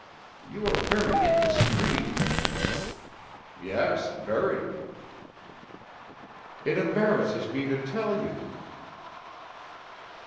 "You are very indiscreet." "Yes, very." "It embarrasses me to tell you...."